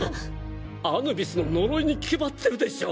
アヌビスの呪いに決まってるでしょう。